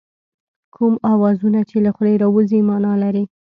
کوم اوازونه چې له خولې راوځي مانا لري